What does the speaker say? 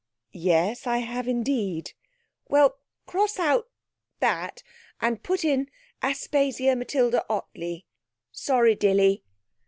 'Yes, I have indeed!' 'Well, cross out that, and put in Aspasia Matilda Ottley. Sorry, Dilly!'